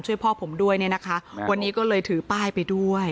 ช่วยพ่อผมด้วยเนี่ยนะคะวันนี้ก็เลยถือป้ายไปด้วย